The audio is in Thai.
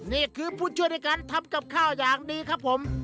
นี่คือผู้ช่วยในการทำกับข้าวอย่างดีครับผม